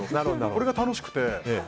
それが楽しくて。